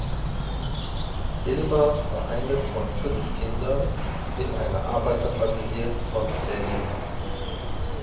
Illmer war eines von fünf Kindern in einer Arbeiterfamilie von Berlin.